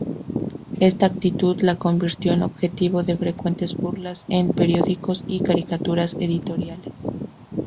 Esta actitud la convirtió en objetivo de frecuentes burlas en periódicos y caricaturas editoriales.